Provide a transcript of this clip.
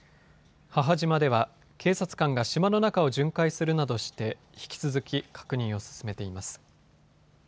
母島では警察官が島の中を巡回するなどして引き続き確認を進めています。